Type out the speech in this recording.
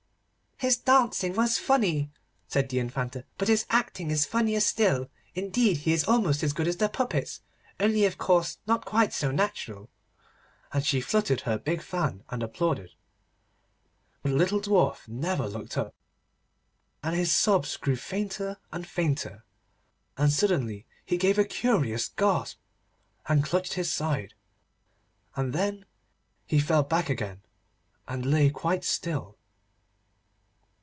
'His dancing was funny,' said the Infanta; 'but his acting is funnier still. Indeed he is almost as good as the puppets, only of course not quite so natural.' And she fluttered her big fan, and applauded. But the little Dwarf never looked up, and his sobs grew fainter and fainter, and suddenly he gave a curious gasp, and clutched his side. And then he fell back again, and lay quite still.